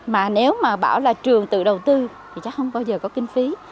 mà nếu mà bảo là trường tự đầu tư thì chắc không bao giờ có kinh phí